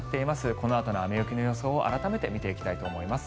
このあとの雨雪の予想を改めて見ていきたいと思います。